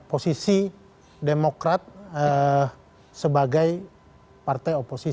posisi demokrat sebagai partai